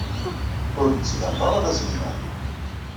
Ur d-tettbaneḍ ara d aselmad.